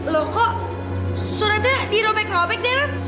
lo kok suratnya dirobek robek deren